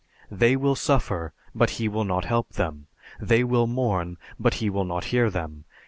They will suffer but he will not help them; they will mourn, but he will not hear them.